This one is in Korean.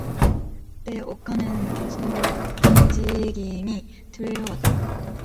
그때 욱 하는 무서운 움직임이 들려 왔다.